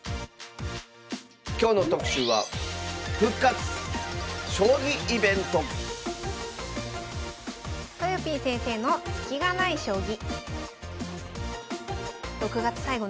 今日の特集はとよぴー先生の「スキがない将棋」。